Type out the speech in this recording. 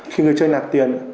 khi người chơi đạp tiền